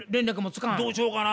どうしようかな？